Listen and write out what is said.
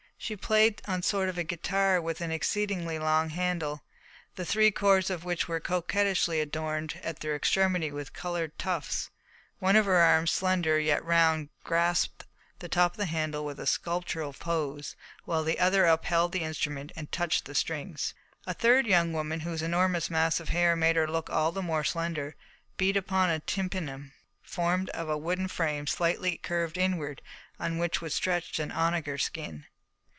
She played on a sort of guitar with an exceedingly long handle, the three cords of which were coquettishly adorned at their extremity with coloured tufts. One of her arms, slender yet round, grasped the top of the handle with a sculptural pose, while the other upheld the instrument and touched the strings. A third young woman, whose enormous mass of hair made her look all the more slender, beat time upon a tympanum formed of a wooden frame slightly curved inward, on which was stretched an onager skin.